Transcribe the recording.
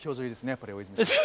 やっぱり大泉さん。